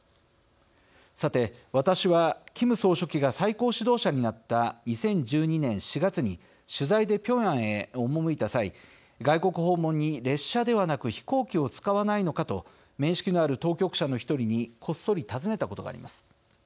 さて、私はキム総書記が最高指導者になった２０１２年４月に取材でピョンヤンへ赴いた際外国訪問に列車ではなく飛行機を使わないのかと面識のある当局者の１人にこっそり尋ねたことがあります。